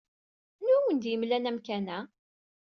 Anwa ay awen-d-yemlan amkan-a?